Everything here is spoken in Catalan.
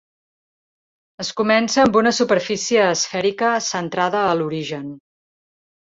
Es comença amb una superfície esfèrica centrada a l'origen.